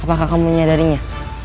apakah kamu menyadarinya